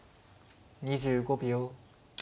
２５秒。